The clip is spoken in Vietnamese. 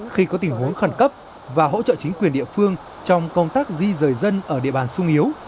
khi có tình huống khẩn cấp và hỗ trợ chính quyền địa phương trong công tác di rời dân ở địa bàn sung yếu